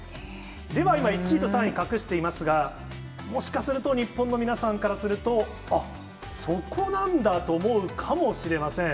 では今１位と３位、隠していますが、もしかすると、日本の皆さんからすると、あっ、そこなんだと思うかもしれません。